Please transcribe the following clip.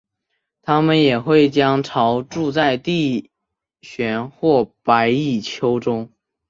它们也会将巢筑在地穴或白蚁丘中。